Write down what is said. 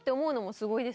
すごいわ。